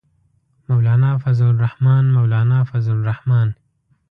مولانا فضل الرحمن، مولانا فضل الرحمن.